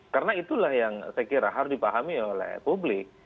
karena itulah yang saya kira harus dipahami oleh publik